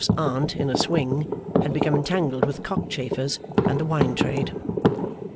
's Aunt in a swing, had become entangled with cockchafers and the wine trade.